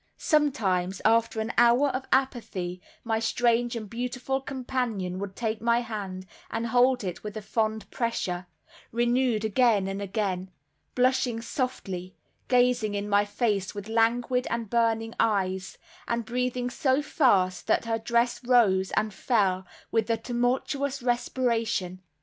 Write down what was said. Sometimes after an hour of apathy, my strange and beautiful companion would take my hand and hold it with a fond pressure, renewed again and again; blushing softly, gazing in my face with languid and burning eyes, and breathing so fast that her dress rose and fell with the tumultuous respiration.